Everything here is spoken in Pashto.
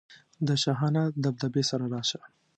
د شاهانه دبدبې سره راشه.